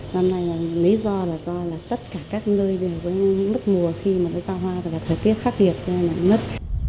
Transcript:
năm nay lý do là do tất cả các nơi đều có những lúc mùa khi mà nó ra hoa và thời tiết khác biệt cho nên là mất